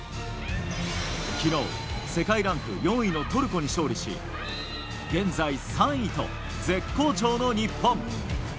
昨日、世界ランク４位のトルコに勝利し現在３位と絶好調の日本。